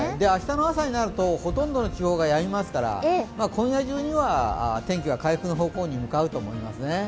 明日の朝になるとほとんどの地方がやみますから今夜中には天気は回復傾向に向かうと思いますね。